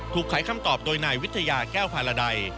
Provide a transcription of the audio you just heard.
ถูกไขคำตอบโดยนายวิทยาแก้วภารดัย